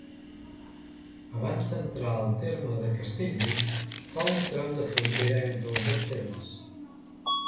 Abans d'entrar al terme de Castellvell fa un tram de frontera entre els dos termes.